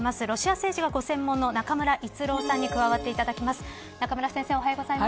ロシア政治が、ご専門の中村逸郎さんに加わっていただきます。